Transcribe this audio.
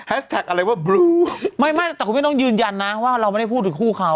อะไรว่าบลูไม่ไม่แต่คุณไม่ต้องยืนยันนะว่าเราไม่ได้พูดถึงคู่เขา